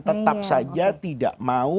tetap saja tidak akan masuk surga